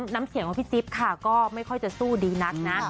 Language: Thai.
น้ำเสียงของพี่จิ๊บค่ะก็ไม่ค่อยจะสู้ดีนักนะ